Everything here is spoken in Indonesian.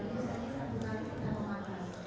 jadi kita memaklumkan